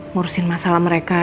ngurusin masalah mereka